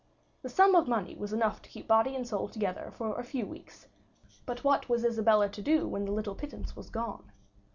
The sum of money was enough to keep body and soul together for a few weeks, but what was Isabella to do when the little pittance was gone?